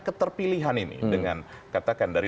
keterpilihan ini dengan katakan dari